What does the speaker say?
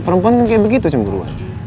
perempuan kan kayak begitu cemburu